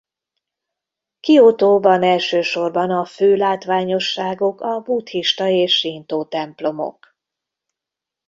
Kiotóban elsősorban a fő látványosságok a buddhista és sintó templomok.